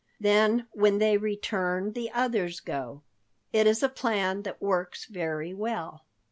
Then when they return the others go. It is a plan that works very well."